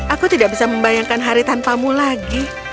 aku tidak bisa membayangkan hari tanpamu lagi